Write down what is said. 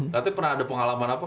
tapi pernah ada pengalaman apa